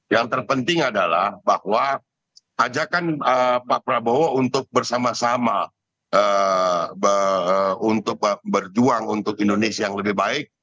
yang terpenting adalah bahwa ajakan pak prabowo untuk bersama sama untuk berjuang untuk indonesia yang lebih baik